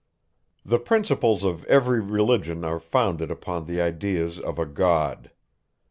The principles of every religion are founded upon the idea of a GOD.